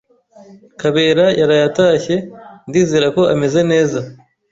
Kabera yaraye atashye. Ndizera ko ameze neza.